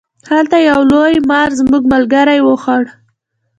هلته یو لوی مار زما ملګری و خوړ.